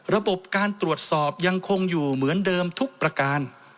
ระบบการตรวจสอบยังคงอยู่เหมือนเดิมทุกประการ